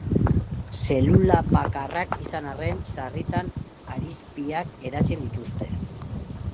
Zelulabakarrak izan arren, sarritan harizpiak eratzen dituzte.